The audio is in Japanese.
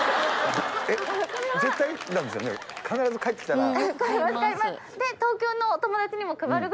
必ず帰ってきたら。